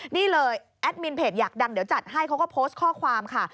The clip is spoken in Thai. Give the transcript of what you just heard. นี่เลยแอดมินเพจอยากดังเดี๋ยวจัดให้เขาก็โพสต์ข้อความค่ะ